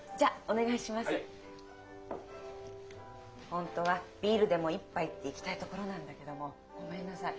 本当はビールでも一杯っていきたいところなんだけどもごめんなさい。